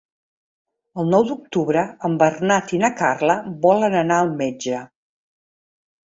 El nou d'octubre en Bernat i na Carla volen anar al metge.